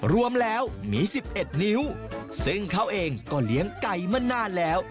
รวมแล้วมี๑๑นิ้วซึ่งเขาเองก็เลี้ยงไก่มานานแล้ว